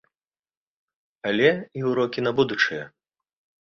Але і ўрокі на будучае.